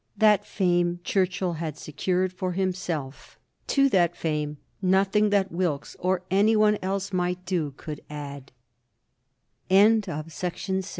That fame Churchill had secured for himself; to that fame nothing that Wilkes or any one else might do could add. CHAPTER XLVI.